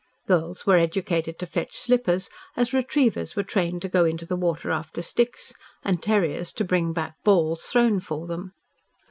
Girls were educated to fetch slippers as retrievers were trained to go into the water after sticks, and terriers to bring back balls thrown for them.